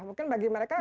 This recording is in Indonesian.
mungkin bagi mereka